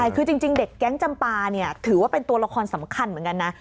คือจริงเด็กแก๊งจำปาเนี่ยถือว่าเป็นตัวละครสำคัญเหมือนกันนะ